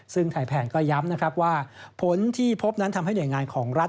ซึ่งไทยแพนก็ย้ำนะครับว่าผลที่พบนั้นทำให้หน่วยงานของรัฐ